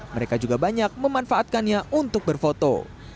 mereka juga banyak memanfaatkannya untuk berfoto